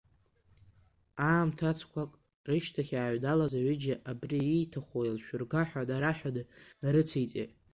Аамҭацқәак рышьҭахь иааҩналаз аҩыџьа абри ииҭаху еилшәырга ҳәа нараҳәаны днарыциҵеит.